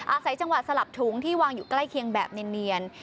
อาศัยจังหวะสลับถุงที่วางอยู่ใกล้เคียงแบบเนียน